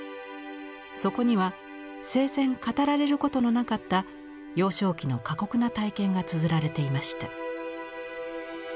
そこには生前語られることのなかった幼少期の過酷な体験がつづられていました。